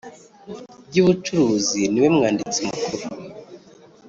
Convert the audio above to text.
By ubucuruzi niwe mwanditsi mukuru